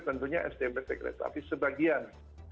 tentunya sdm pt kereta api sebagian